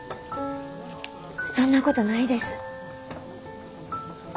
そんなことないです。